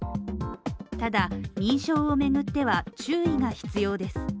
ただ、認証を巡っては、注意が必要です。